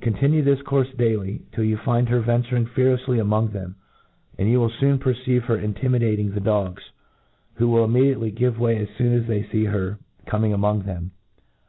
Continue this courfe daily, till you find ter venturing fearlefsly among them, and you wfll foon perceive her intimidating the dogs, who wiH immediately give away as foon as they fee her coning among them.